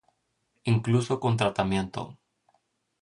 Incluso con tratamiento